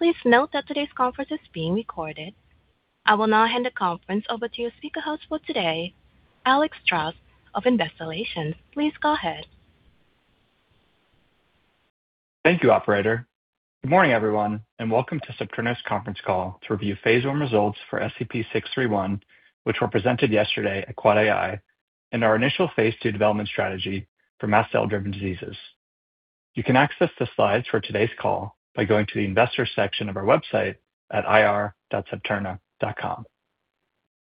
Please note that today's conference is being recorded. I will now hand the conference over to your speaker host for today, Alex Straus of Investor Relations. Please go ahead. Thank you, operator. Good morning, everyone, welcome to Septerna's Conference Call to review phase I results for SEP-631, which were presented yesterday at AAAAI and our initial phase II development strategy for mast cell-driven diseases. You can access the slides for today's call by going to the investor section of our website at ir.septerna.com.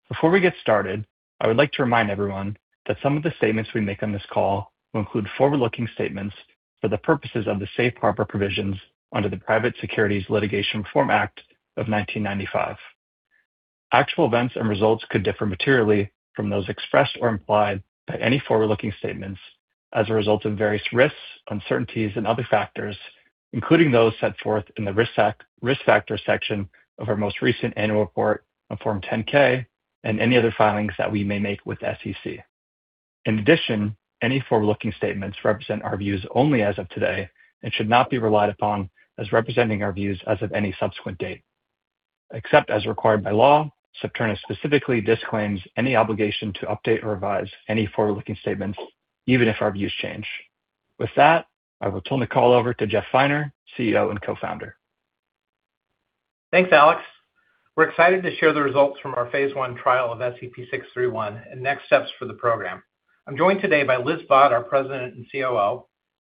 Before we get started, I would like to remind everyone that some of the statements we make on this call will include forward-looking statements for the purposes of the safe harbor provisions under the Private Securities Litigation Reform Act of 1995. Actual events and results could differ materially from those expressed or implied by any forward-looking statements as a result of various risks, uncertainties, and other factors, including those set forth in the risk factor section of our most recent annual report on Form 10-K and any other filings that we may make with SEC. Any forward-looking statements represent our views only as of today and should not be relied upon as representing our views as of any subsequent date. Except as required by law, Septerna specifically disclaims any obligation to update or revise any forward-looking statements, even if our views change. With that, I will turn the call over to Jeff Finer, CEO and co-founder. Thanks, Alex. We're excited to share the results from our phase I trial of SEP-631 and next steps for the program. I'm joined today by Liz Bhatt, our President and COO,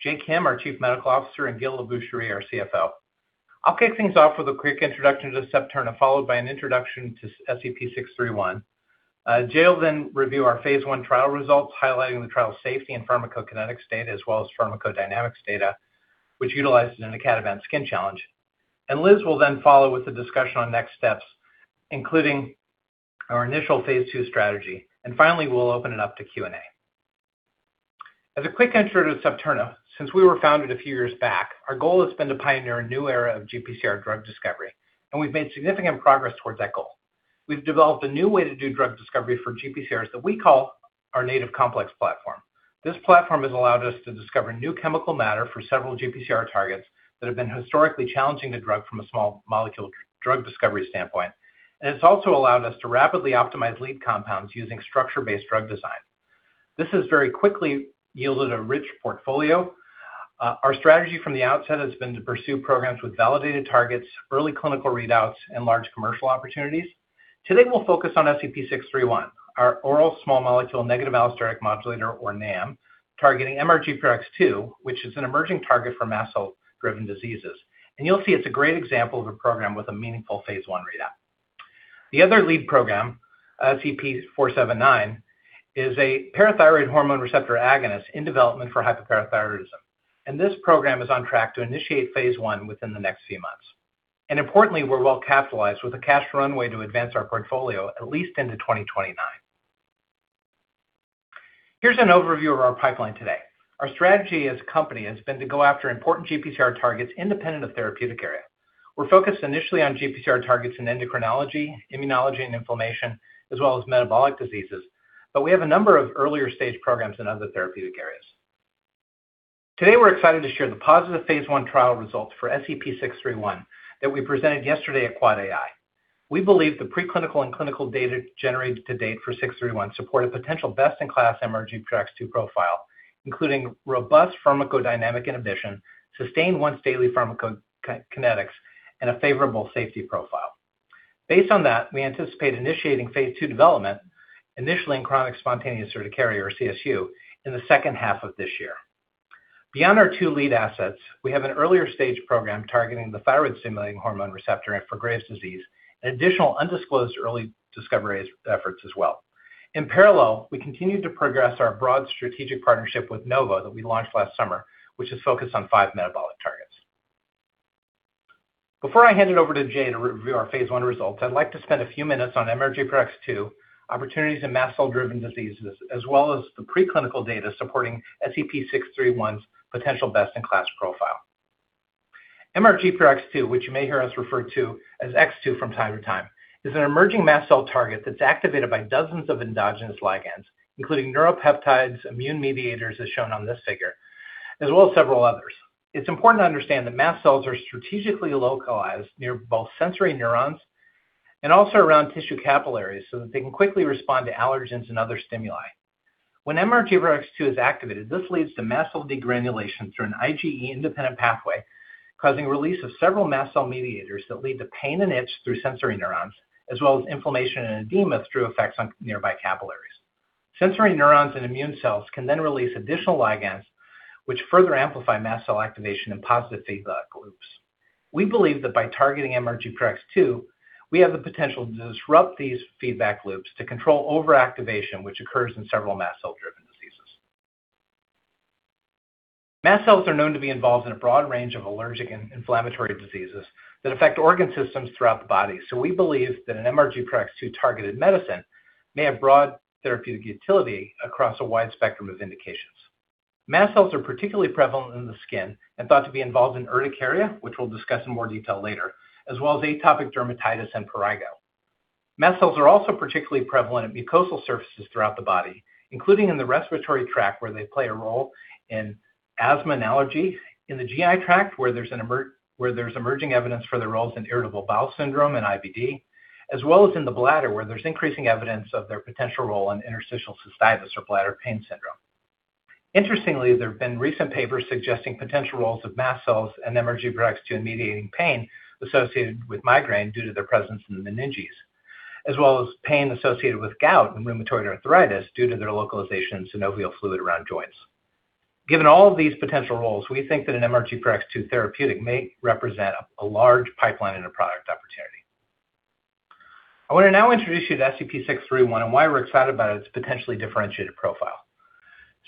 Jae Kim, our Chief Medical Officer, and Gil Labrucherie, our CFO. I'll kick things off with a quick introduction to Septerna, followed by an introduction to SEP-631. Jae will then review our phase I trial results, highlighting the trial safety and pharmacokinetic data, as well as pharmacodynamics data, which utilized an icatibant skin challenge. Liz will then follow with a discussion on next steps, including our initial phase II strategy. Finally, we'll open it up to Q&A. As a quick intro to Septerna, since we were founded a few years back, our goal has been to pioneer a new era of GPCR drug discovery, and we've made significant progress towards that goal. We've developed a new way to do drug discovery for GPCRs that we call our Native Complex Platform. This platform has allowed us to discover new chemical matter for several GPCR targets that have been historically challenging to drug from a small molecule drug discovery standpoint. It's also allowed us to rapidly optimize lead compounds using structure-based drug design. This has very quickly yielded a rich portfolio. Our strategy from the outset has been to pursue programs with validated targets, early clinical readouts, and large commercial opportunities. Today, we'll focus on SEP-631, our oral small molecule negative allosteric modulator or NAM, targeting MRGPRX2, which is an emerging target for mast cell-driven diseases. You'll see it's a great example of a program with a meaningful phase I readout. The other lead program, SEP-479, is a parathyroid hormone receptor agonist in development for hyperparathyroidism. This program is on track to initiate phase I within the next few months. Importantly, we're well capitalized with a cash runway to advance our portfolio at least into 2029. Here's an overview of our pipeline today. Our strategy as a company has been to go after important GPCR targets independent of therapeutic area. We're focused initially on GPCR targets in endocrinology, immunology, and inflammation, as well as metabolic diseases, but we have a number of earlier stage programs in other therapeutic areas. We're excited to share the positive phase I trial results for SEP-631 that we presented yesterday at AAAAI. We believe the preclinical and clinical data generated to date for 631 support a potential best-in-class MRGPRX2 profile, including robust pharmacodynamic inhibition, sustained once-daily pharmacokinetics, and a favorable safety profile. Based on that, we anticipate initiating phase II development, initially in chronic spontaneous urticaria or CSU, in the second half of this year. Beyond our two lead assets, we have an earlier stage program targeting the thyroid-stimulating hormone receptor for Graves' disease and additional undisclosed early discovery efforts as well. In parallel, we continue to progress our broad strategic partnership with Novo Nordisk that we launched last summer, which is focused on five metabolic targets. Before I hand it over to Jae to review our phase I results, I'd like to spend a few minutes on MRGPRX2 opportunities in mast cell-driven diseases, as well as the preclinical data supporting SEP-631's potential best-in-class profile. MRGPRX2, which you may hear us refer to as X2 from time to time, is an emerging mast cell target that's activated by dozens of endogenous ligands, including neuropeptides, immune mediators, as shown on this figure, as well as several others. It's important to understand that mast cells are strategically localized near both sensory neurons and also around tissue capillaries so that they can quickly respond to allergens and other stimuli. When MRGPRX2 is activated, this leads to mast cell degranulation through an IgE-independent pathway, causing release of several mast cell mediators that lead to pain and itch through sensory neurons, as well as inflammation and edema through effects on nearby capillaries. Sensory neurons and immune cells can release additional ligands, which further amplify mast cell activation and positive feedback loops. We believe that by targeting MRGPRX2, we have the potential to disrupt these feedback loops to control overactivation, which occurs in several mast cell-driven diseases. Mast cells are known to be involved in a broad range of allergic and inflammatory diseases that affect organ systems throughout the body. We believe that an MRGPRX2-targeted medicine may have broad therapeutic utility across a wide spectrum of indications. Mast cells are particularly prevalent in the skin and thought to be involved in urticaria, which we'll discuss in more detail later, as well as atopic dermatitis and prurigo. Mast cells are also particularly prevalent in mucosal surfaces throughout the body, including in the respiratory tract, where they play a role in asthma and allergy, in the GI tract, where there's emerging evidence for their roles in irritable bowel syndrome and IBD, as well as in the bladder, where there's increasing evidence of their potential role in interstitial cystitis or bladder pain syndrome. Interestingly, there have been recent papers suggesting potential roles of mast cells and MRGPRX2 in mediating pain associated with migraine due to their presence in the meninges, as well as pain associated with gout and rheumatoid arthritis due to their localization in synovial fluid around joints. Given all of these potential roles, we think that an MRGPRX2 therapeutic may represent a large pipeline and a product opportunity. I want to now introduce you to SEP-631 and why we're excited about its potentially differentiated profile.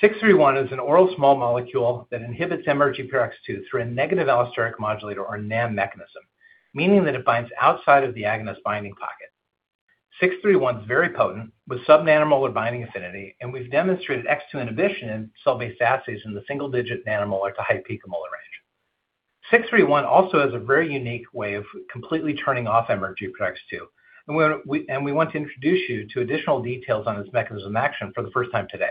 SEP-631 is an oral small molecule that inhibits MRGPRX2 through a negative allosteric modulator or NAM mechanism, meaning that it binds outside of the agonist binding pocket. SEP-631's very potent, with sub-nanomolar binding affinity, and we've demonstrated X2 inhibition in cell-based assays in the single-digit nanomolar to high picomolar range. SEP-631 also has a very unique way of completely turning off MRGPRX2. We want to introduce you to additional details on its mechanism action for the first time today.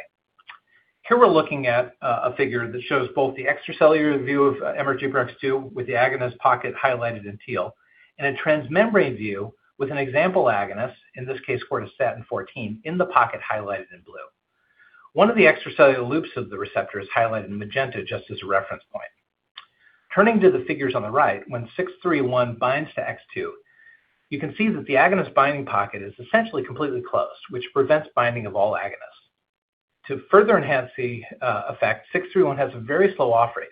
Here we're looking at a figure that shows both the extracellular view of MRGPRX2 with the agonist pocket highlighted in teal, and a transmembrane view with an example agonist, in this case, Cortistatin-14, in the pocket highlighted in blue. One of the extracellular loops of the receptor is highlighted in magenta just as a reference point. Turning to the figures on the right, when SEP-631 binds to X2, you can see that the agonist binding pocket is essentially completely closed, which prevents binding of all agonists. To further enhance the effect, SEP-631 has a very slow off-rate.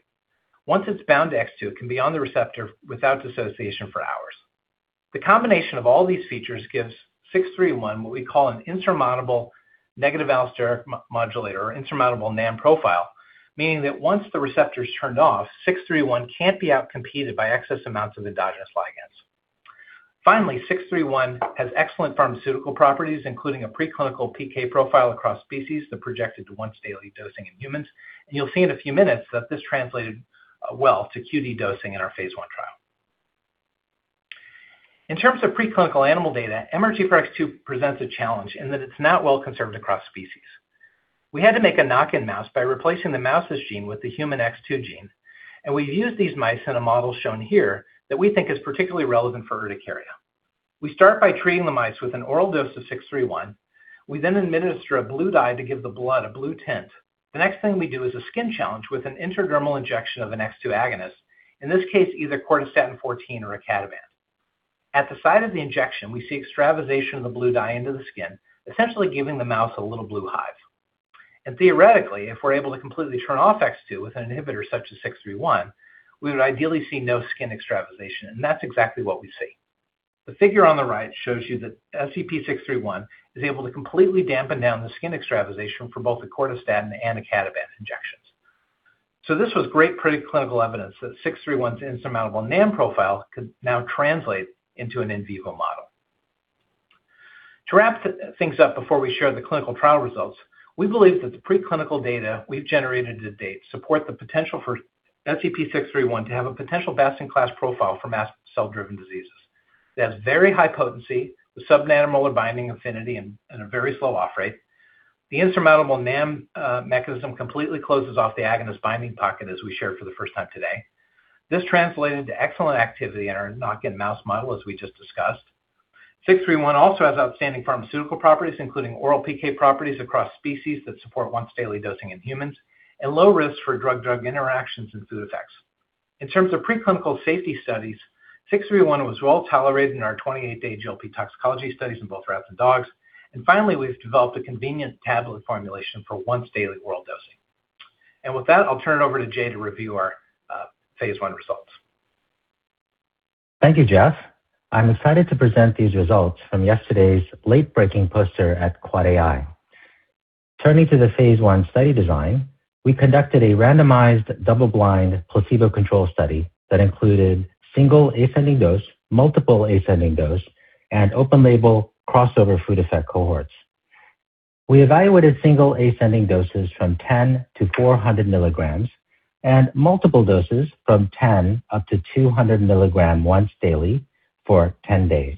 Once it's bound to X2, it can be on the receptor without dissociation for hours. The combination of all these features gives 631 what we call an insurmountable negative allosteric modulator or insurmountable NAM profile, meaning that once the receptor is turned off, 631 can't be outcompeted by excess amounts of endogenous ligands. Finally, 631 has excellent pharmaceutical properties, including a preclinical PK profile across species that projected to once-daily dosing in humans, and you'll see in a few minutes that this translated well to QD dosing in our phase I trial. In terms of preclinical animal data, MRGPRX2 presents a challenge in that it's not well conserved across species. We had to make a knock-in mouse by replacing the mouse's gene with the human X2 gene. We've used these mice in a model shown here that we think is particularly relevant for urticaria. We start by treating the mice with an oral dose of SEP-631. We administer a blue dye to give the blood a blue tint. The next thing we do is a skin challenge with an intradermal injection of an X2 agonist, in this case, either Cortistatin-14 or icatibant. At the site of the injection, we see extravasation of the blue dye into the skin, essentially giving the mouse a little blue hive. Theoretically, if we're able to completely turn off X2 with an inhibitor such as SEP-631, we would ideally see no skin extravasation, and that's exactly what we see. The figure on the right shows you that SEP-631 is able to completely dampen down the skin extravasation for both the Cortistatin-14 and icatibant injections. This was great preclinical evidence that SEP-631's insurmountable NAM profile could now translate into an in vivo model. To wrap things up before we share the clinical trial results, we believe that the preclinical data we've generated to date support the potential for SEP-631 to have a potential best-in-class profile for mast cell-driven diseases. It has very high potency with sub-nanomolar binding affinity and a very slow off rate. The insurmountable NAM mechanism completely closes off the agonist binding pocket, as we shared for the first time today. This translated to excellent activity in our knock-in mouse model, as we just discussed. SEP-631 also has outstanding pharmaceutical properties, including oral PK properties across species that support once daily dosing in humans and low risk for drug-drug interactions and food effects. In terms of preclinical safety studies, SEP-631 was well-tolerated in our 28-day GLP toxicology studies in both rats and dogs. Finally, we've developed a convenient tablet formulation for once daily oral dosing. With that, I'll turn it over to Jae to review our phase I results. Thank you, Jeff. I'm excited to present these results from yesterday's late-breaking poster at AAAAI. Turning to the phase I study design, we conducted a randomized double-blind placebo-controlled study that included single ascending dose, multiple ascending dose, and open label crossover food effect cohorts. We evaluated single ascending doses from 10 milligrams to 400 milligrams and multiple doses from 10 milligrams up to 200 milligram once daily for 10 days.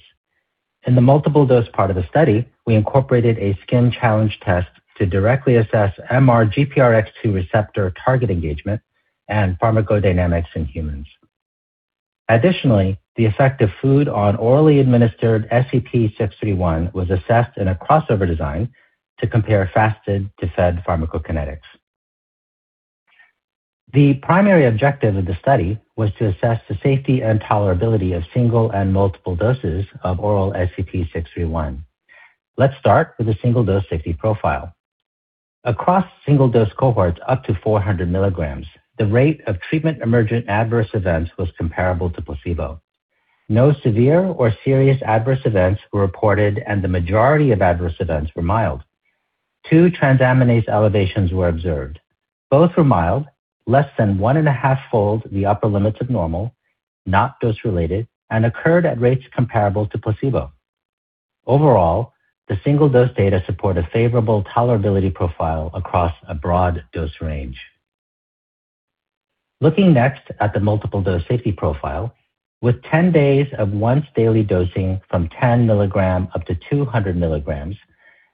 In the multiple dose part of the study, we incorporated a skin challenge test to directly assess MRGPRX2 receptor target engagement and pharmacodynamics in humans. Additionally, the effect of food on orally administered SEP-631 was assessed in a crossover design to compare fasted to fed pharmacokinetics. The primary objective of the study was to assess the safety and tolerability of single and multiple doses of oral SEP-631. Let's start with the single dose safety profile. Across single dose cohorts up to 400 milligrams, the rate of treatment emergent adverse events was comparable to placebo. No severe or serious adverse events were reported, and the majority of adverse events were mild. Two transaminase elevations were observed. Both were mild, less than 1.5-fold the upper limits of normal, not dose-related, and occurred at rates comparable to placebo. Overall, the single dose data support a favorable tolerability profile across a broad dose range. Looking next at the multiple dose safety profile. With 10 days of once daily dosing from 10 milligram up to 200 milligrams,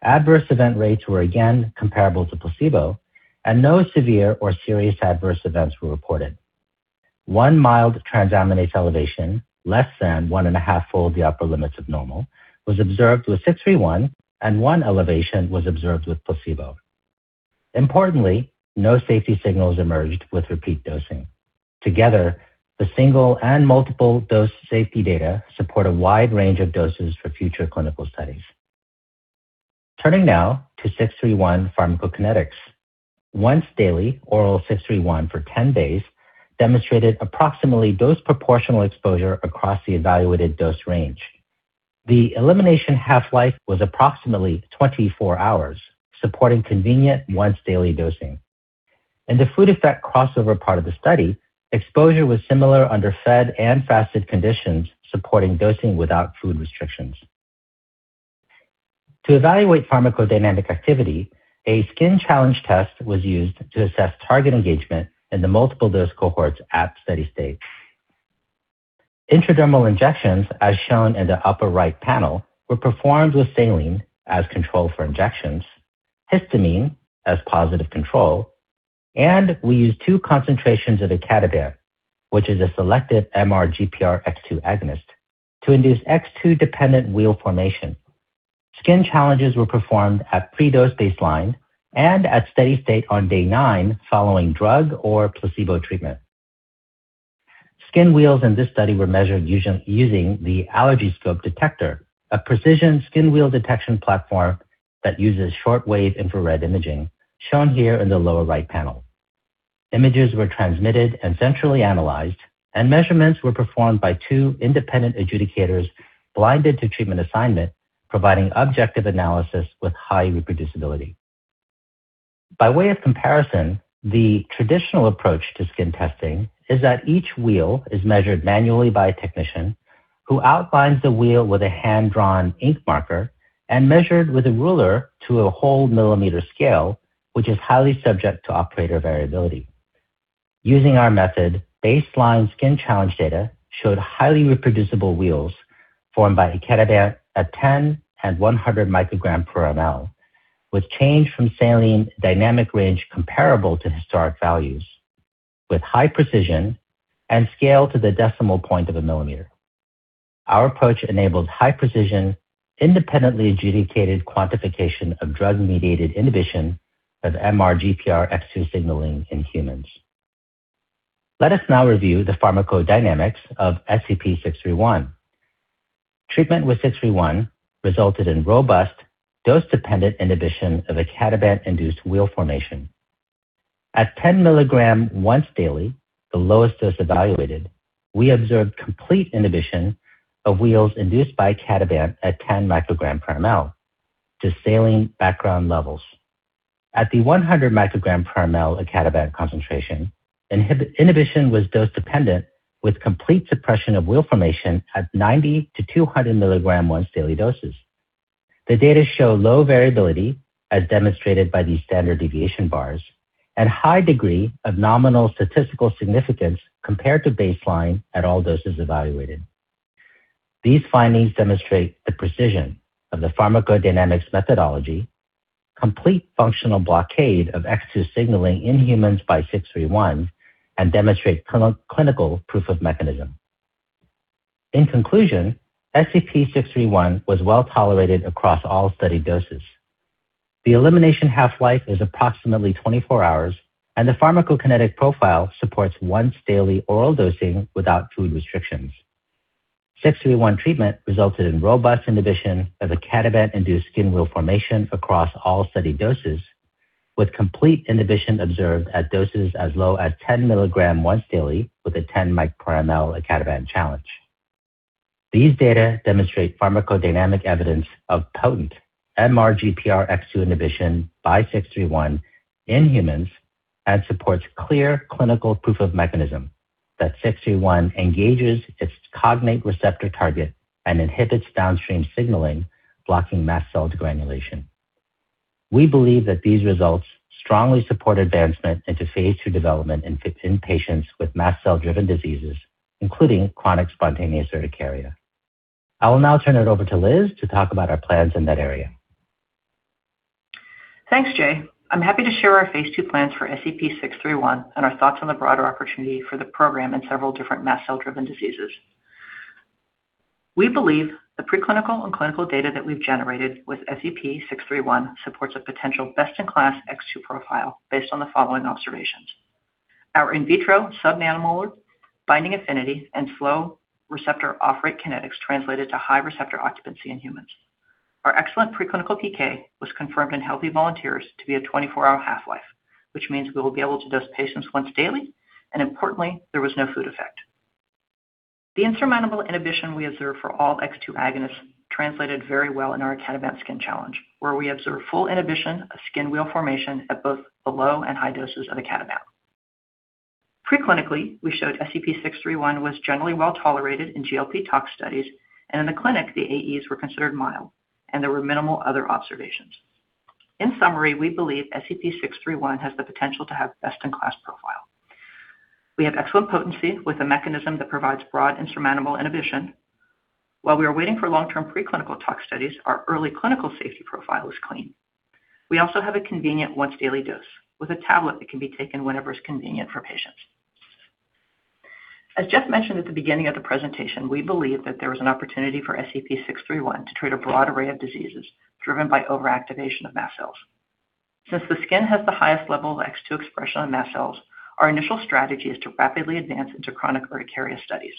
adverse event rates were again comparable to placebo, and no severe or serious adverse events were reported. One mild transaminase elevation, less than 1.5-fold the upper limits of normal, was observed with SEP-631. One elevation was observed with placebo. Importantly, no safety signals emerged with repeat dosing. Together, the single and multiple dose safety data support a wide range of doses for future clinical studies. Turning now to SEP-631 pharmacokinetics. Once daily oral SEP-631 for 10 days demonstrated approximately dose proportional exposure across the evaluated dose range. The elimination half-life was approximately 24 hours, supporting convenient once daily dosing. In the food effect crossover part of the study, exposure was similar under fed and fasted conditions, supporting dosing without food restrictions. To evaluate pharmacodynamic activity, a skin challenge test was used to assess target engagement in the multiple dose cohorts at steady state. Intradermal injections, as shown in the upper right panel, were performed with saline as control for injections, histamine as positive control. We used two concentrations of icatibant, which is a selective MRGPRX2 agonist, to induce X2-dependent wheel formation. Skin challenges were performed at pre-dose baseline and at steady state on day nine following drug or placebo treatment. Skin wheels in this study were measured using the AllergyScope detector, a precision skin wheel detection platform that uses shortwave infrared imaging, shown here in the lower right panel. Images were transmitted and centrally analyzed. Measurements were performed by two independent adjudicators blinded to treatment assignment, providing objective analysis with high reproducibility. By way of comparison, the traditional approach to skin testing is that each wheel is measured manually by a technician who outlines the wheel with a hand-drawn ink marker and measured with a ruler to a whole millimeter scale, which is highly subject to operator variability. Using our method, baseline skin challenge data showed highly reproducible wheels formed by icatibant at 10 and 100 microgram per mL, with change from saline dynamic range comparable to historic values with high precision and scale to the decimal point of a millimeter. Our approach enables high precision, independently adjudicated quantification of MRGPRX2 signaling in humans. Let us now review the pharmacodynamics of SEP-631. Treatment with 631 resulted in robust dose-dependent inhibition of icatibant-induced wheel formation. At 10 mg once daily, the lowest dose evaluated, we observed complete inhibition of wheels induced by icatibant at 10 microgram/mL to saline background levels. At the 100 microgram/mL icatibant concentration, inhibition was dose-dependent, with complete suppression of wheel formation at 90 mg-200 mg once daily doses. The data show low variability, as demonstrated by the standard deviation bars, and high degree of nominal statistical significance compared to baseline at all doses evaluated. These findings demonstrate the precision of the pharmacodynamics methodology, complete functional blockade of X2 signaling in humans by SEP-631, and demonstrate clinical proof of mechanism. In conclusion, SEP-631 was well-tolerated across all studied doses. The elimination half-life is approximately 24 hours, and the pharmacokinetic profile supports once daily oral dosing without food restrictions. 631 treatment resulted in robust inhibition of icatibant-induced skin wheel formation across all studied doses, with complete inhibition observed at doses as low as 10 mg once daily with a 10 micro per mL icatibant challenge. These data demonstrate pharmacodynamic evidence of potent MRGPRX2 inhibition by 631 in humans, and supports clear clinical proof of mechanism that 631 engages its cognate receptor target and inhibits downstream signaling, blocking mast cell degranulation. We believe that these results strongly support advancement into phase II development in patients with mast cell-driven diseases, including chronic spontaneous urticaria. I will now turn it over to Liz to talk about our plans in that area. Thanks, Jae. I'm happy to share our phase II plans for SEP-631 and our thoughts on the broader opportunity for the program in several different mast cell-driven diseases. We believe the preclinical and clinical data that we've generated with SEP-631 supports a potential best in class X2 profile based on the following observations. Our in vitro sub-nanomolar binding affinity and slow receptor off-rate kinetics translated to high receptor occupancy in humans. Our excellent preclinical PK was confirmed in healthy volunteers to be a 24-hour half-life, which means we will be able to dose patients once daily. Importantly, there was no food effect. The insurmountable inhibition we observed for all X2 agonists translated very well in our icatibant skin challenge, where we observed full inhibition of skin wheel formation at both the low and high doses of icatibant. Preclinically, we showed SEP-631 was generally well-tolerated in GLP tox studies, and in the clinic, the AEs were considered mild, and there were minimal other observations. In summary, we believe SEP-631 has the potential to have best-in-class profile. We have excellent potency with a mechanism that provides broad insurmountable inhibition. While we are waiting for long-term preclinical tox studies, our early clinical safety profile is clean. We also have a convenient once daily dose with a tablet that can be taken whenever it's convenient for patients. As Jeff mentioned at the beginning of the presentation, we believe that there is an opportunity for SEP-631 to treat a broad array of diseases driven by overactivation of mast cells. Since the skin has the highest level of X2 expression on mast cells, our initial strategy is to rapidly advance into chronic urticaria studies.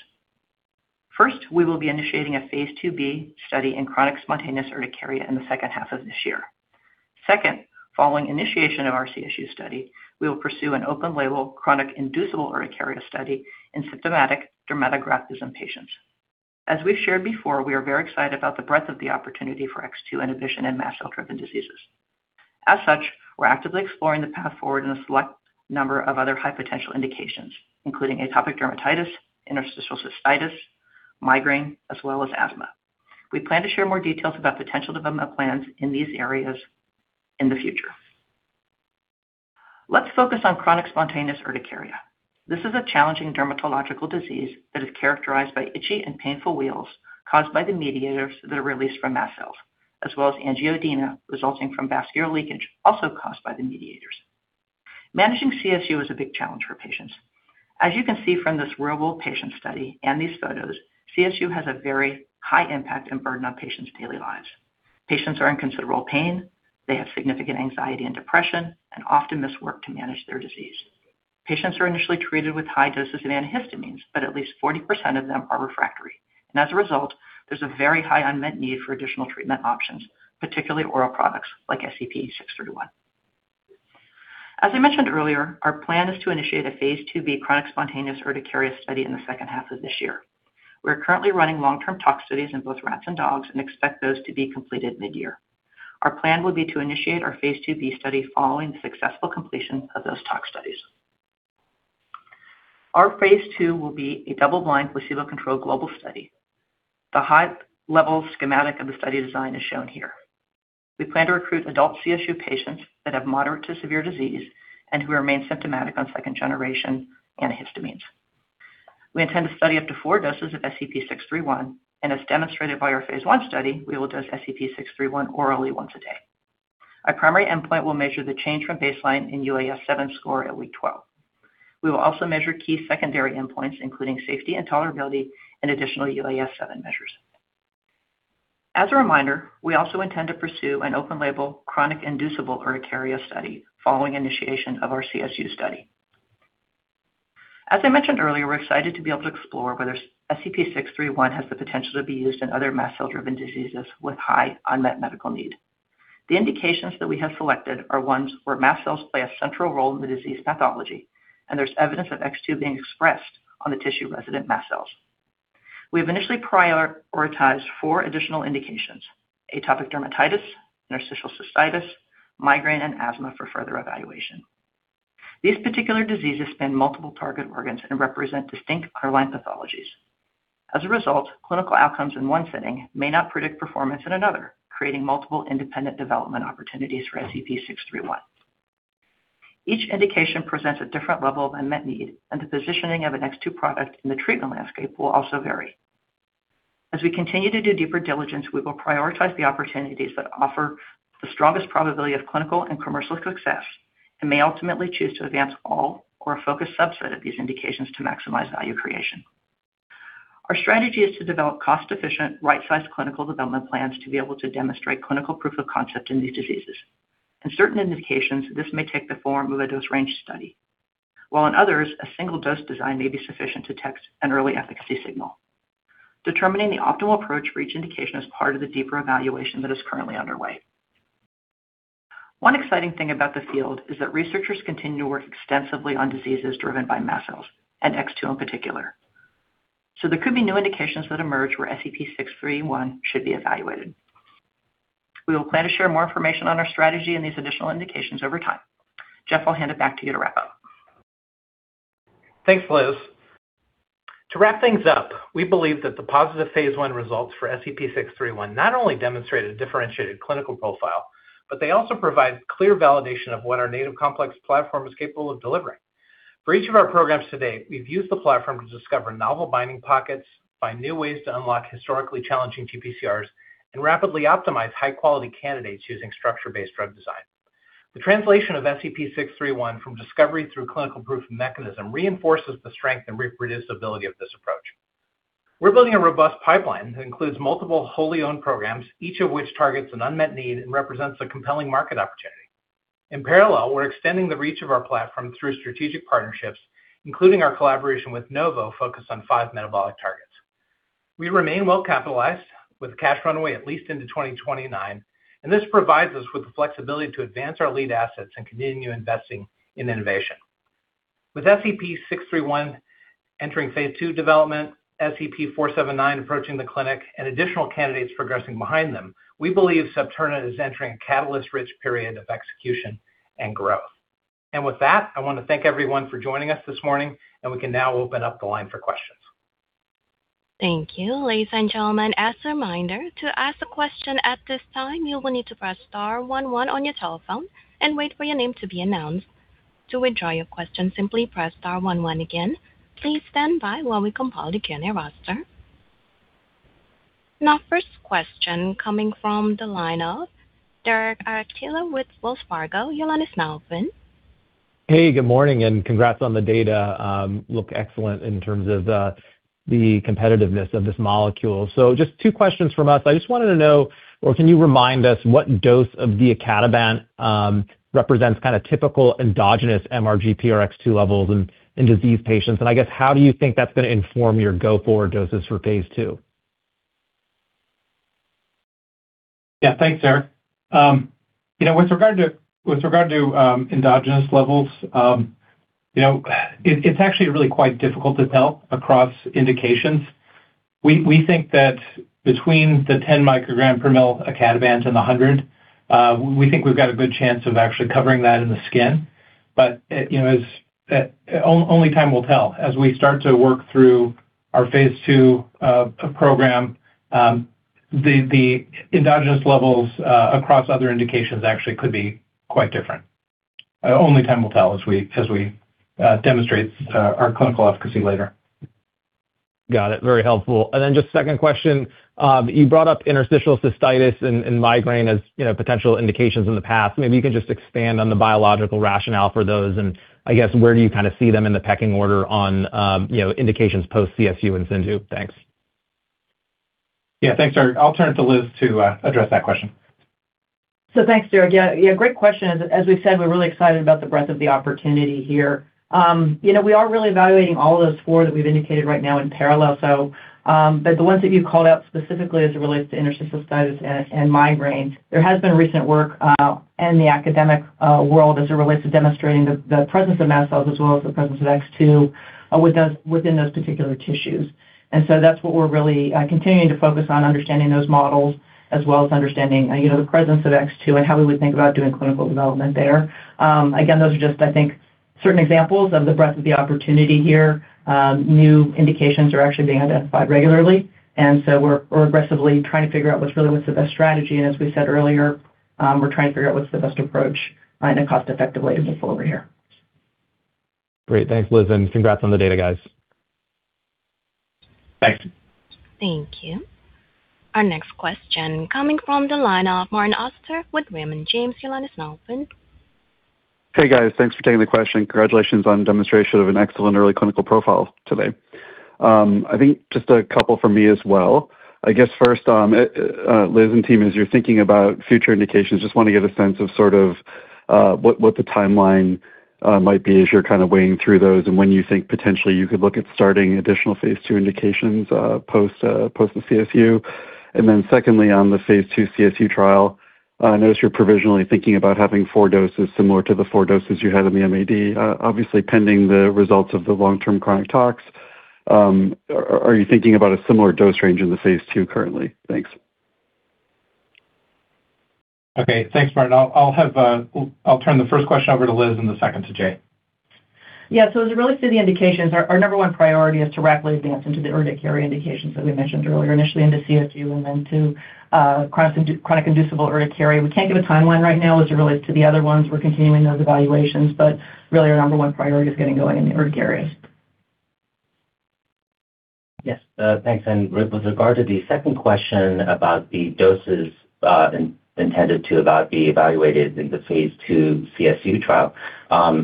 First, we will be initiating a phase II-B study in chronic spontaneous urticaria in the second half of this year. Second, following initiation of our CSU study, we will pursue an open label chronic inducible urticaria study in symptomatic dermatographism patients. As we've shared before, we are very excited about the breadth of the opportunity for X2 inhibition in mast cell-driven diseases. As such, we're actively exploring the path forward in a select number of other high potential indications, including atopic dermatitis, interstitial cystitis, migraine, as well as asthma. We plan to share more details about potential development plans in these areas in the future. Let's focus on chronic spontaneous urticaria. This is a challenging dermatological disease that is characterized by itchy and painful wheels caused by the mediators that are released from mast cells, as well as angioedema resulting from vascular leakage, also caused by the mediators. Managing CSU is a big challenge for patients. As you can see from this real-world patient study and these photos, CSU has a very high impact and burden on patients' daily lives. Patients are in considerable pain, they have significant anxiety and depression, and often miss work to manage their disease. Patients are initially treated with high doses of antihistamines, but at least 40% of them are refractory, and as a result, there's a very high unmet need for additional treatment options, particularly oral products like SEP-631. As I mentioned earlier, our plan is to initiate a phase II-B chronic spontaneous urticaria study in the second half of this year. We're currently running long-term tox studies in both rats and dogs and expect those to be completed mid-year. Our plan will be to initiate our phase II-B study following the successful completion of those tox studies. Our phase II will be a double-blind placebo-controlled global study. The high level schematic of the study design is shown here. We plan to recruit adult CSU patients that have moderate to severe disease and who remain symptomatic on second-generation antihistamines. We intend to study up to four doses of SEP-631, and as demonstrated by our phase I study, we will dose SEP-631 orally once a day. Our primary endpoint will measure the change from baseline in UAS7 score at week 12. We will also measure key secondary endpoints, including safety and tolerability and additional UAS7 measures. As a reminder, we also intend to pursue an open-label chronic inducible urticaria study following initiation of our CSU study. As I mentioned earlier, we're excited to be able to explore whether SEP-631 has the potential to be used in other mast cell-driven diseases with high unmet medical need. The indications that we have selected are ones where mast cells play a central role in the disease pathology, and there's evidence of X2 being expressed on the tissue-resident mast cells. We have initially prioritized four additional indications: atopic dermatitis, interstitial cystitis, migraine, and asthma for further evaluation. These particular diseases span multiple target organs and represent distinct cardiac pathologies. As a result, clinical outcomes in one setting may not predict performance in another, creating multiple independent development opportunities for SEP-631. Each indication presents a different level of unmet need, and the positioning of an X2 product in the treatment landscape will also vary. As we continue to do deeper diligence, we will prioritize the opportunities that offer the strongest probability of clinical and commercial success and may ultimately choose to advance all or a focused subset of these indications to maximize value creation. Our strategy is to develop cost-efficient, right-sized clinical development plans to be able to demonstrate clinical proof of concept in these diseases. In certain indications, this may take the form of a dose range study. While in others, a single dose design may be sufficient to detect an early efficacy signal. Determining the optimal approach for each indication is part of the deeper evaluation that is currently underway. One exciting thing about the field is that researchers continue to work extensively on diseases driven by mast cells and X2 in particular. There could be new indications that emerge where SEP-631 should be evaluated. We will plan to share more information on our strategy and these additional indications over time. Jeff, I'll hand it back to you to wrap up. Thanks, Liz. To wrap things up, we believe that the positive phase I results for SEP-631 not only demonstrated a differentiated clinical profile, they also provide clear validation of what our Native Complex Platform is capable of delivering. For each of our programs to date, we've used the platform to discover novel binding pockets, find new ways to unlock historically challenging GPCRs, and rapidly optimize high-quality candidates using structure-based drug design. The translation of SEP-631 from discovery through clinical proof of mechanism reinforces the strength and reproducibility of this approach. We're building a robust pipeline that includes multiple wholly owned programs, each of which targets an unmet need and represents a compelling market opportunity. In parallel, we're extending the reach of our platform through strategic partnerships, including our collaboration with Novo focused on five metabolic targets. We remain well-capitalized with cash runway at least into 2029. This provides us with the flexibility to advance our lead assets and continue investing in innovation. With SEP-631 entering phase II development, SEP-479 approaching the clinic, and additional candidates progressing behind them, we believe Septerna is entering a catalyst-rich period of execution and growth. With that, I want to thank everyone for joining us this morning, and we can now open up the line for questions. Thank you. Ladies and gentlemen, as a reminder, to ask a question at this time, you will need to press star one one on your telephone and wait for your name to be announced. To withdraw your question, simply press star one one again. Please stand by while we compile the Q&A roster. Now first question coming from the line of Derek Archila with Wells Fargo. Your line is now open. Hey, good morning and congrats on the data. Look excellent in terms of the competitiveness of this molecule. Just two questions from us. I just wanted to know, or can you remind us what dose of the icatibant represents kind of typical endogenous MRGPRX2 levels in disease patients? I guess, how do you think that's gonna inform your go-forward doses for phase II? Yeah, thanks, Derek Archila. you know, with regard to endogenous levels, you know, it's actually really quite difficult to tell across indications. We think that between the 10 microgram per mil icatibant and the 100, we think we've got a good chance of actually covering that in the skin. you know, as only time will tell as we start to work through our phase II program, the endogenous levels across other indications actually could be quite different. Only time will tell as we demonstrate our clinical efficacy later. Got it. Very helpful. Just second question. You brought up interstitial cystitis and migraine as, you know, potential indications in the past. Maybe you can just expand on the biological rationale for those and I guess where do you kind of see them in the pecking order on, you know, indications post CSU and CIndU. Thanks. Yeah. Thanks, Derek. I'll turn it to Liz to address that question. Thanks, Derek. Yeah, great question. As we said, we're really excited about the breadth of the opportunity here. You know, we are really evaluating all those four that we've indicated right now in parallel. But the ones that you called out specifically as it relates to interstitial cystitis and migraine, there has been recent work in the academic world as it relates to demonstrating the presence of mast cells as well as the presence of X2 with those within those particular tissues. That's what we're really continuing to focus on, understanding those models as well as understanding, you know, the presence of X2 and how we would think about doing clinical development there. Again, those are just, I think, certain examples of the breadth of the opportunity here. New indications are actually being identified regularly, we're aggressively trying to figure out what's the best strategy. As we said earlier, we're trying to figure out what's the best approach and a cost-effective way to move forward here. Great. Thanks, Liz, and congrats on the data, guys. Thanks. Thank you. Our next question coming from the line of Martin Auster with Raymond James. Your line is now open. Hey, guys. Thanks for taking the question. Congratulations on demonstration of an excellent early clinical profile today. I think just a couple from me as well. I guess first, Liz and team, as you're thinking about future indications, just wanna get a sense of sort of what the timeline might be as you're kind of weighing through those and when you think potentially you could look at starting additional phase II indications post the CSU. Secondly, on the phase II CSU trial, I notice you're provisionally thinking about having four doses similar to the four doses you had in the MAD. Obviously, pending the results of the long-term chronic tox, are you thinking about a similar dose range in the phase II currently? Thanks. Okay. Thanks, Martin. I'll turn the first question over to Liz and the second to Jae. Yeah. As it relates to the indications, our number one priority is to rapidly advance into the urticaria indications that we mentioned earlier, initially into CSU and then to chronic inducible urticaria. We can't give a timeline right now as it relates to the other ones. We're continuing those evaluations, but really our number one priority is getting going in the urticarias. Yes. Thanks. With regard to the second question about the doses intended to be evaluated in the phase II CSU trial, our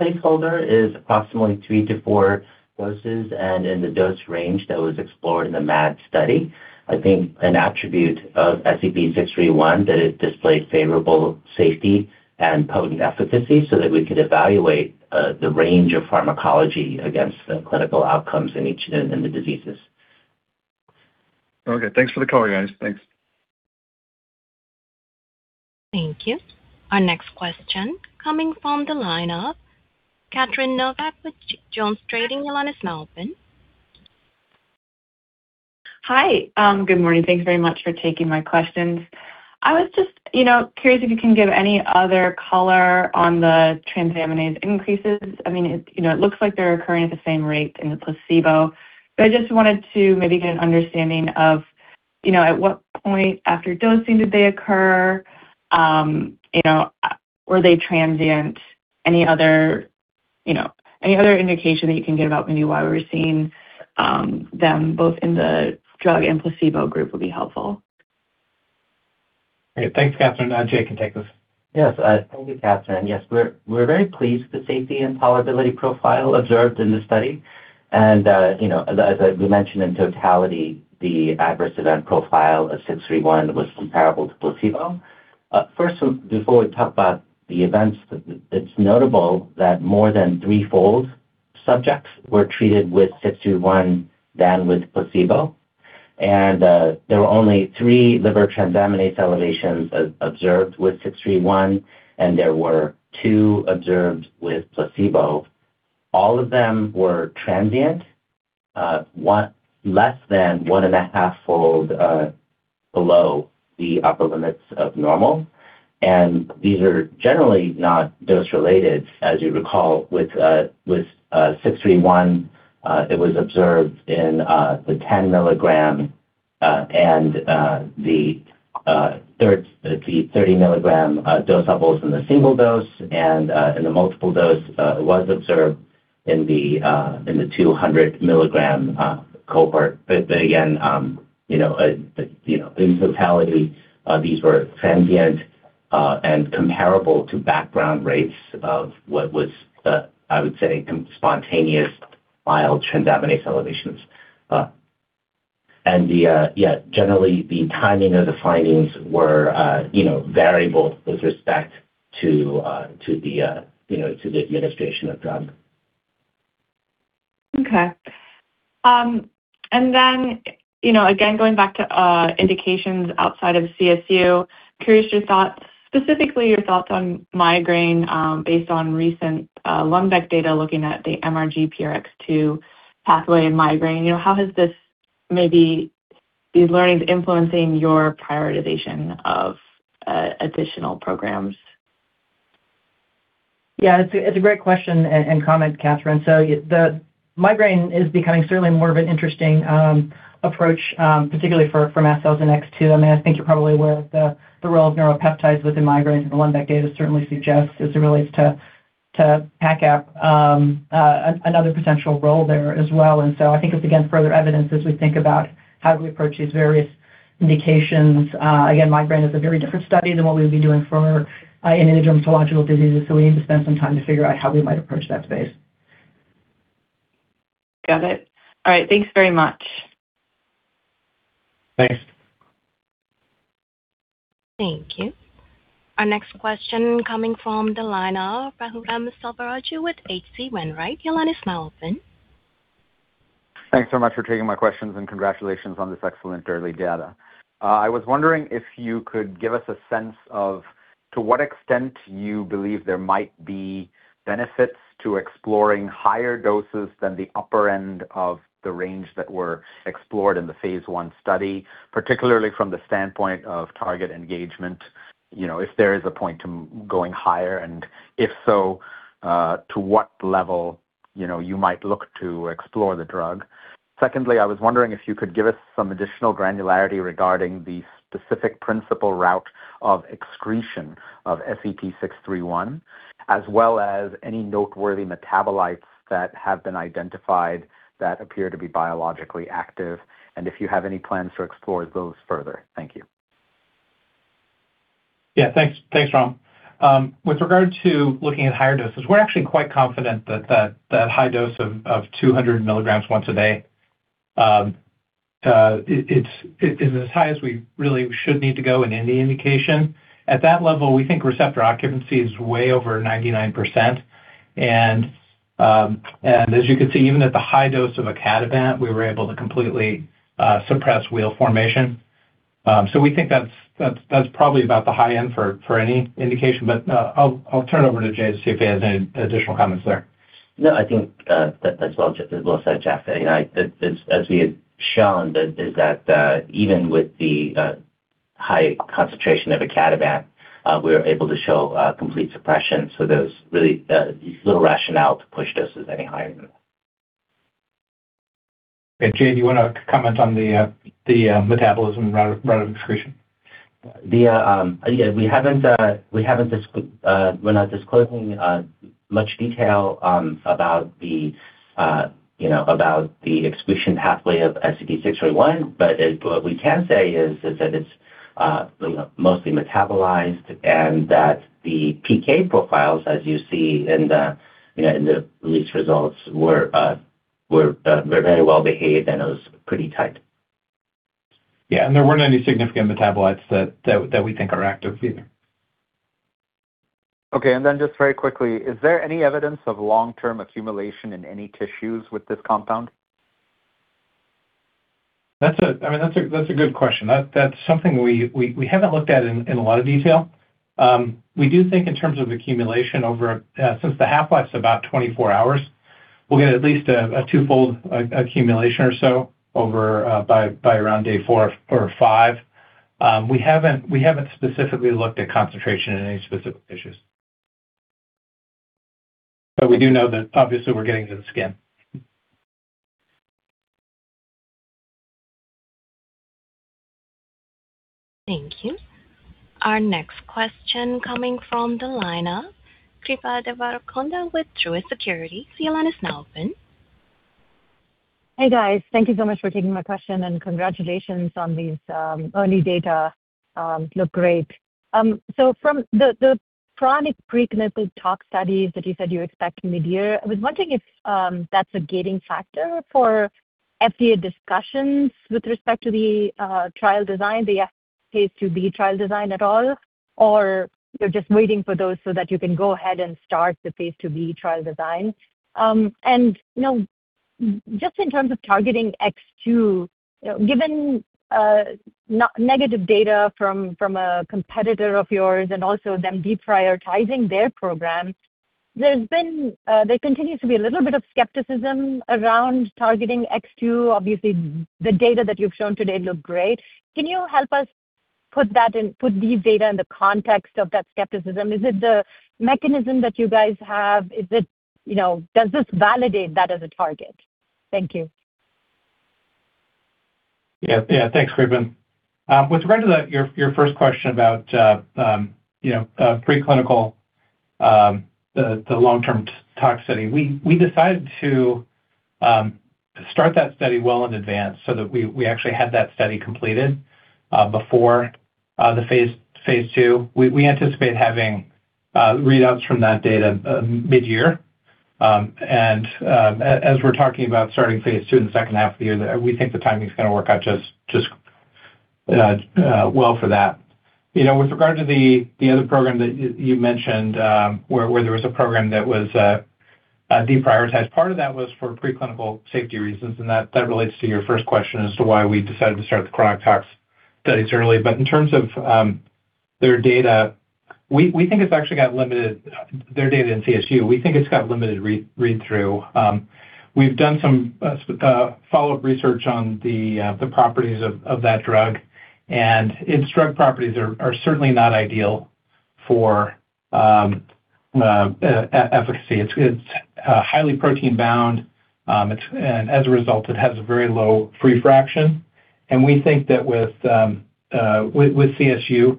placeholder is approximately three to four doses and in the dose range that was explored in the MAD study. I think an attribute of SEP-631 that it displayed favorable safety and potent efficacy so that we could evaluate the range of pharmacology against the clinical outcomes in the diseases. Okay. Thanks for the color, guys. Thanks. Thank you. Our next question coming from the line of Catherine Novak with JonesTrading. Your line is now open. Hi. Good morning. Thanks very much for taking my questions. I was just, you know, curious if you can give any other color on the transaminase increases. I mean, it, you know, it looks like they're occurring at the same rate in the placebo. I just wanted to maybe get an understanding of, you know, at what point after dosing did they occur? You know, were they transient? Any other, you know, any other indication that you can give about maybe why we're seeing them both in the drug and placebo group would be helpful. Great. Thanks, Catherine. Jae can take this. Yes. Thank you, Catherine. Yes, we're very pleased with the safety and tolerability profile observed in this study. You know, as we mentioned in totality, the adverse event profile of SEP-631 was comparable to placebo. First, before we talk about the events, it's notable that more than t-fold subjects were treated with SEP-631 than with placebo. There were only three liver transaminase elevations observed with SEP-631, and there were two observed with placebo. All of them were transient. Less than one and a half fold below the upper limits of normal. These are generally not dose-related, as you recall, with 631, it was observed in the 10-milligram and the 30-milligram dose levels in the single dose and in the multiple dose, was observed in the 200 milligram cohort. Again, you know, you know, in totality, these were transient and comparable to background rates of what was, I would say spontaneous mild transaminase elevations. Generally the timing of the findings were, you know, variable with respect to the, you know, to the administration of drug. Okay. You know, again, going back to indications outside of CSU, curious your thoughts, specifically your thoughts on migraine, based on recent Lundbeck data looking at the MRGPRX2 pathway in migraine. You know, how has this maybe these learnings influencing your prioritization of additional programs? Yeah, it's a great question and comment, Catherine. The migraine is becoming certainly more of an interesting approach, particularly for from mast cells and MRGPRX2. I mean, I think you're probably aware of the role of neuropeptides within migraines and the one that data certainly suggests as it relates to PACAP, another potential role there as well. I think it's again, further evidence as we think about how do we approach these various indications. Again, migraine is a very different study than what we'll be doing for in any dermatological diseases. We need to spend some time to figure out how we might approach that space. Got it. All right, thanks very much. Thanks. Thank you. Our next question coming from the line of Raghuram Selvaraju with H.C. Wainwright. Your line is now open. Thanks so much for taking my questions and congratulations on this excellent early data. I was wondering if you could give us a sense of to what extent you believe there might be benefits to exploring higher doses than the upper end of the range that were explored in the phase I study, particularly from the standpoint of target engagement, you know, if there is a point to going higher, and if so, to what level, you know, you might look to explore the drug? Secondly, I was wondering if you could give us some additional granularity regarding the specific principle route of excretion of SEP-631 as well as any noteworthy metabolites that have been identified that appear to be biologically active, and if you have any plans to explore those further? Thank you. Yeah, thanks, Raghuram. With regard to looking at higher doses, we're actually quite confident that that high dose of 200 milligrams once a day, it is as high as we really should need to go in any indication. At that level, we think receptor occupancy is way over 99%. As you can see, even at the high dose of icatibant, we were able to completely suppress wheel formation. We think that's probably about the high end for any indication. I'll turn it over to Jae Kim to see if he has any additional comments there. No, I think that's well said, Jeff. You know, as we had shown is that even with the high concentration of icatibant, we were able to show complete suppression. There's really little rationale to push doses any higher than that. Jae, do you wanna comment on the metabolism route of excretion? The, yeah, we're not disclosing much detail, about the, you know, excretion pathway of SEP-631. What we can say is that it's mostly metabolized and that the PK profiles, as you see in the, you know, in the released results were very well behaved and it was pretty tight. Yeah. There weren't any significant metabolites that we think are active either. Okay. Just very quickly, is there any evidence of long-term accumulation in any tissues with this compound? I mean, that's a good question. That's something we haven't looked at in a lot of detail. We do think in terms of accumulation over since the half-life's about 24 hours, we'll get at least a twofold accumulation or so over by around day four or five. We haven't specifically looked at concentration in any specific tissues. We do know that obviously we're getting to the skin. Thank you. Our next question coming from the line of Kripa Devarakonda with Truist Securities. Your line is now open. Hey, guys. Thank you so much for taking my question and congratulations on these early data. Look great. From the chronic preclinical talk studies that you said you expect mid-year, I was wondering if that's a gating factor for FDA discussions with respect to the trial design, the phase II-B trial design at all, or you're just waiting for those so that you can go ahead and start the phase II-B trial design? You know, just in terms of targeting X2, you know, given negative data from a competitor of yours and also them deprioritizing their programs. There continues to be a little bit of skepticism around targeting X2. Obviously, the data that you've shown today look great. Can you help us put these data in the context of that skepticism? Is it the mechanism that you guys have? Is it, you know, does this validate that as a target? Thank you. Yeah. Yeah. Thanks, Kripa. With regard to that, your first question about, you know, preclinical, the long-term tox study. We decided to start that study well in advance so that we actually had that study completed before the phase II. We anticipate having readouts from that data mid-year. As we're talking about starting phase II in the second half of the year, we think the timing's gonna work out just well for that. You know, with regard to the other program that you mentioned, where there was a program that was deprioritized. Part of that was for preclinical safety reasons, and that relates to your first question as to why we decided to start the chronic tox studies early. In terms of their data, we think it's actually got limited, their data in CSU. We think it's got limited read-through. We've done some follow-up research on the properties of that drug, and its drug properties are certainly not ideal for efficacy. It's highly protein bound. As a result, it has a very low free fraction. We think that with CSU,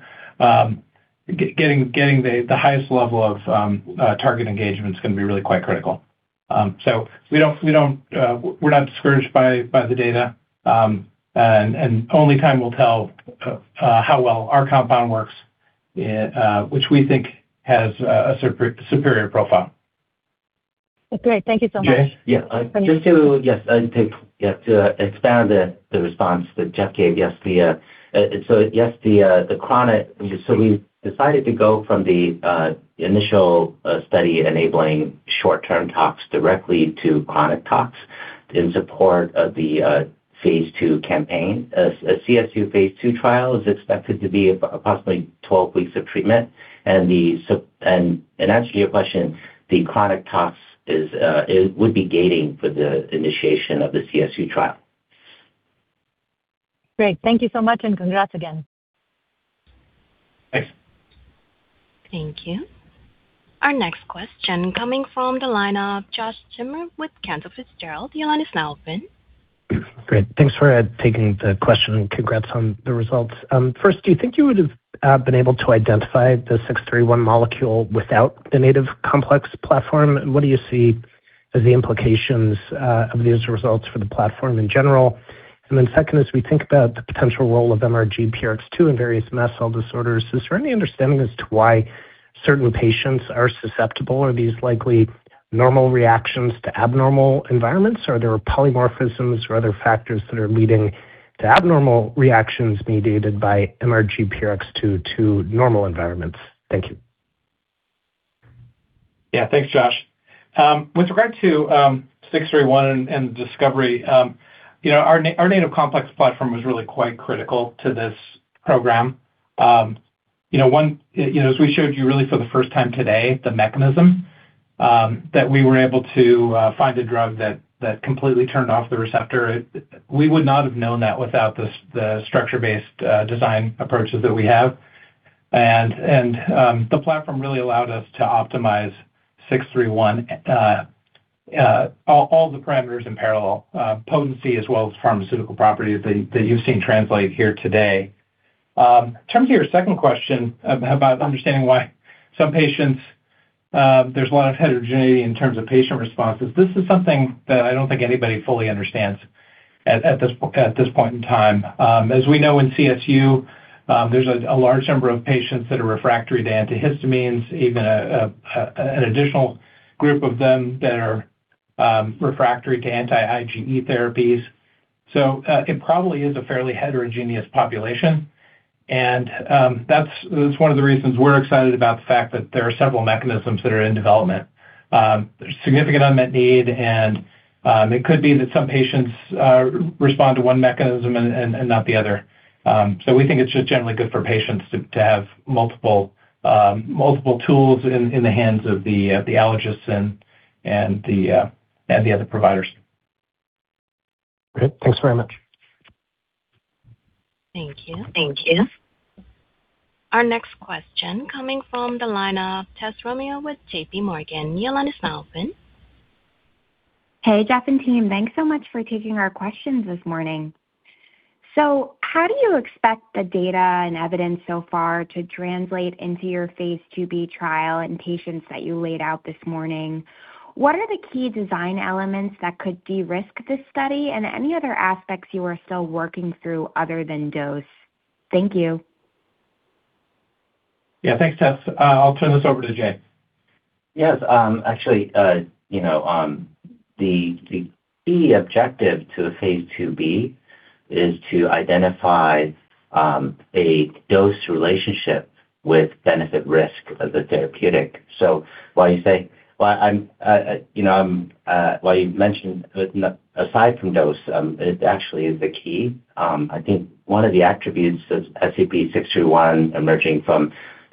getting the highest level of target engagement is gonna be really quite critical. We don't, we're not discouraged by the data. Only time will tell how well our compound works, which we think has a superior profile. That's great. Thank you so much. Jae? Yeah. Jae. Just to, yes, to expand the response that Jeff gave. Yes, the chronic. We decided to go from the initial study enabling short-term tox directly to chronic tox in support of the phase II campaign. A CSU phase II trial is expected to be a possibly 12 weeks of treatment. In answer to your question, the chronic tox is would be gating for the initiation of the CSU trial. Great. Thank you so much, and congrats again. Thanks. Thank you. Our next question coming from the line of Josh Schimmer with Cantor Fitzgerald. Your line is now open. Great. Thanks for taking the question, and congrats on the results. First, do you think you would've been able to identify the 631 molecule without the Native Complex Platform? What do you see as the implications of these results for the platform in general? Second, as we think about the potential role of MRGPRX2 in various mast cell disorders, is there any understanding as to why certain patients are susceptible? Are these likely normal reactions to abnormal environments? Are there polymorphisms or other factors that are leading to abnormal reactions mediated by MRGPRX2 to normal environments? Thank you. Yeah. Thanks, Josh. With regard to SEP-631 and discovery, you know, our Native Complex Platform was really quite critical to this program. You know, one, you know, as we showed you really for the first time today, the mechanism, that we were able to find a drug that completely turned off the receptor. We would not have known that without the structure-based design approaches that we have. The platform really allowed us to optimize SEP-631, all the parameters in parallel, potency as well as pharmaceutical properties that you've seen translate here today. In terms of your second question about understanding why some patients, there's a lot of heterogeneity in terms of patient responses. This is something that I don't think anybody fully understands at this point in time. As we know in CSU, there's a large number of patients that are refractory to antihistamines, even an additional group of them that are refractory to anti-IgE therapies. It probably is a fairly heterogeneous population, and that's one of the reasons we're excited about the fact that there are several mechanisms that are in development. There's significant unmet need, and it could be that some patients respond to one mechanism and not the other. We think it's just generally good for patients to have multiple tools in the hands of the allergists and the other providers. Great. Thanks very much. Thank you. Thank you. Our next question coming from the line of Tess Romero with J.P. Morgan. Your line is now open. Hey, Jeff and team. Thanks so much for taking our questions this morning. How do you expect the data and evidence so far to translate into your phase II-B trial in patients that you laid out this morning? What are the key design elements that could de-risk this study, and any other aspects you are still working through other than dose? Thank you. Yeah. Thanks, Tess. I'll turn this over to Jae. Yes. actually, you know, the key objective to a phase II-B is to identify a dose relationship with benefit risk of the therapeutic. While I'm, you know, while you mentioned aside from dose, it actually is the key. I think one of the attributes of SEP-631 emerging from, you know,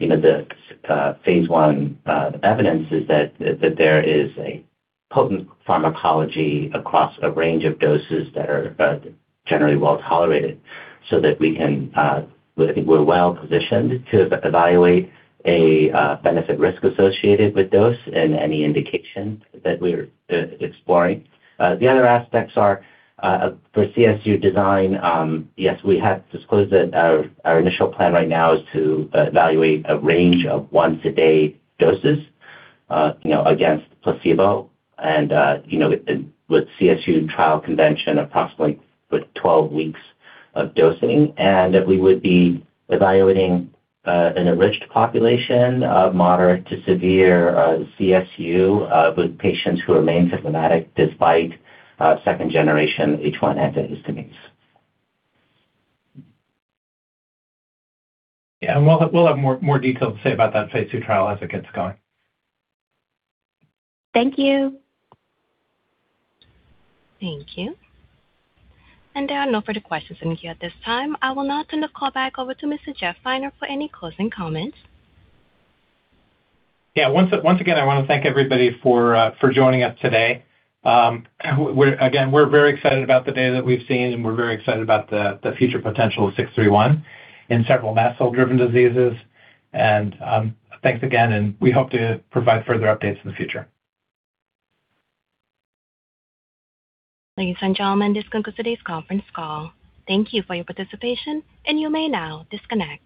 the phase I evidence is that there is a potent pharmacology across a range of doses that are generally well-tolerated so that we can We're well-positioned to evaluate a benefit risk associated with dose and any indication that we're exploring. The other aspects are for CSU design, yes, we have disclosed that our initial plan right now is to evaluate a range of once-a-day doses, you know, against placebo and, you know, with CSU trial convention approximately with 12 weeks of dosing. That we would be evaluating an enriched population of moderate to severe CSU with patients who remain symptomatic despite second generation H1 antihistamines. Yeah. We'll have more details to say about that phase II trial as it gets going. Thank you. Thank you. There are no further questions in the queue at this time. I will now turn the call back over to Mr. Jeffrey Finer for any closing comments. Yeah. Once again, I wanna thank everybody for joining us today. We're again very excited about the data that we've seen, we're very excited about the future potential of SEP-631 in several mast cell-driven diseases. Thanks again, and we hope to provide further updates in the future. Ladies and gentlemen, this concludes today's conference call. Thank you for your participation, and you may now disconnect.